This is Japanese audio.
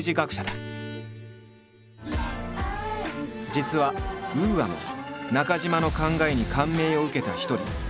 実はＵＡも中島の考えに感銘を受けた一人。